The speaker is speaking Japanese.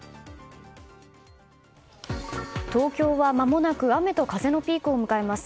東京はまもなく雨と風のピークを迎えます。